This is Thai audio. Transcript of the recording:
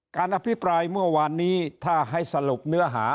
อภิปรายเมื่อวานนี้ถ้าให้สรุปเนื้อหา